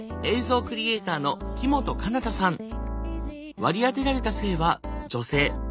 割り当てられた性は女性。